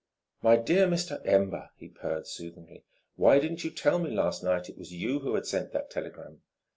"My dear Mr. Ember!" he purred soothingly "why didn't you tell me last night it was you who had sent that telegram?